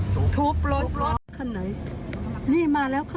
ก็แค่เดียดไหมล่ะพี่